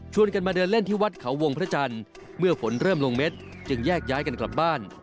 กันมาเดินเล่นที่วัดเขาวงพระจันทร์เมื่อฝนเริ่มลงเม็ดจึงแยกย้ายกันกลับบ้าน